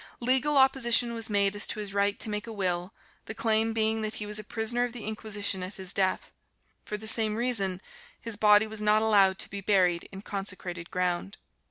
Legal opposition was made as to his right to make a will, the claim being that he was a prisoner of the Inquisition at his death. For the same reason his body was not allowed to be buried in consecrated ground.